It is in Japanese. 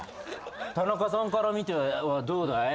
田中さんから見てどうだい？